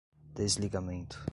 desligamento